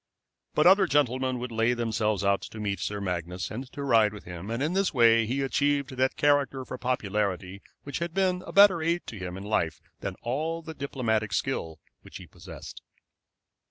But other gentlemen would lay themselves out to meet Sir Magnus and to ride with him, and in this way he achieved that character for popularity which had been a better aid to him in life than all the diplomatic skill which he possessed.